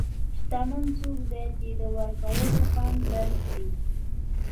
شتمن څوک دی چې د ورکولو خوند درک کړي.